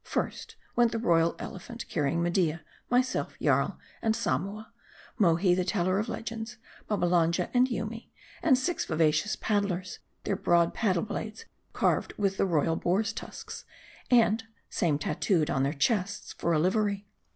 First went the royal Elephant, carrying Media, myself, Jarl, and Samoa ; Mohi the Teller of Legends, Babbalanja, and Yoomy, and six vivacious paddlers ; their broad paddle blades carved with the royal boars' tusks, the same tattooed on their chests for a livery.